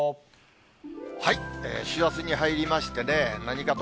師走に入りましてね、何かと